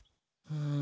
うん。